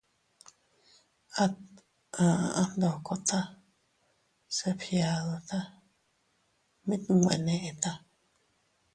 At a aʼa ndokota se fgiaduta, mit nwe neʼta.